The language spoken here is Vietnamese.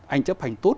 anh chấp hành tốt